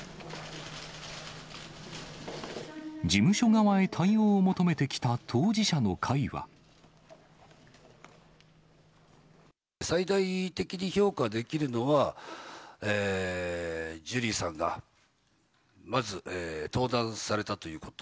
事務所側へ対応を求めてきた、最大的に評価できるのは、ジュリーさんが、まず登壇されたということ。